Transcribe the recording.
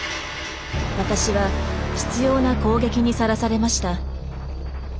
私は執ような攻撃にさらされました。